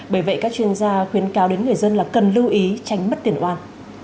bởi vậy các chuyên gia khuyến cáo đến người dân là cần lưu ý tránh mất tiền oan